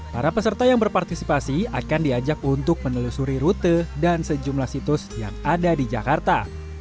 para peserta yang berpartisipasi akan diajak untuk menelusuri rute dan sejumlah situs yang ada di jakarta